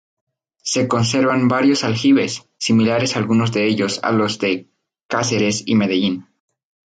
Se conservan varios aljibes, similares algunos de ellos a los de Cáceres y Medellín.